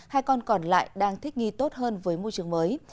hai con còn lại đang thích nghi tốt hơn với môi trường mới